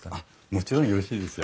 もちろんよろしいですよ。